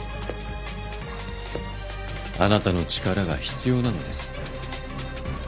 あなたの力が必要なのです。